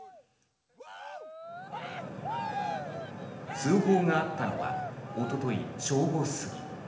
通報があったのは一昨日正午過ぎ。